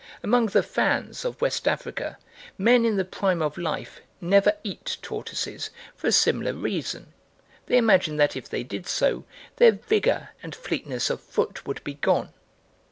Among the Fans of West Africa men in the prime of life never eat tortoises for a similar reason; they imagine that if they did so, their vigour and fleetness of foot would be gone.